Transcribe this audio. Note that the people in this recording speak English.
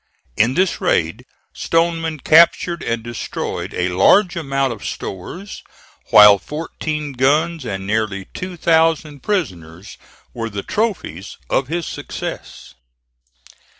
In this raid Stoneman captured and destroyed a large amount of stores, while fourteen guns and nearly two thousand prisoners were the trophies of his success.